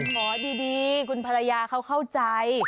ขอดีคุณภรรยาเขาเข้าใจ